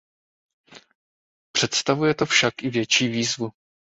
Představuje to však i větší výzvu.